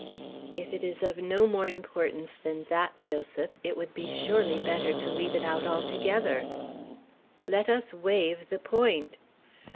"If it is of no more importance than that, Joseph, it would be surely better to leave it out altogether." "Let us waive the point.